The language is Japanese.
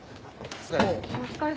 お疲れ。